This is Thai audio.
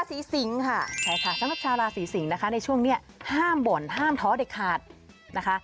สิงค่ะใช่ค่ะสำหรับชาวราศีสิงศนะคะในช่วงนี้ห้ามบ่นห้ามท้อเด็ดขาดนะคะ